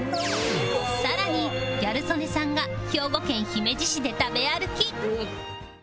さらにギャル曽根さんが兵庫県姫路市で食べ歩き